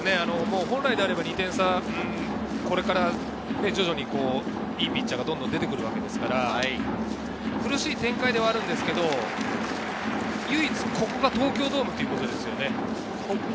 本来であれば２点差、これから徐々にいいピッチャーがどんどん出てくるわけですから、苦しい展開ではあるんですけれど、唯一、ここが東京ドームっていうことですよね。